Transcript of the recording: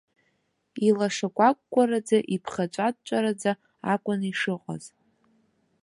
Илашакәакәараӡа, иԥхаҵәаҵәараӡа акәын ишыҟаз.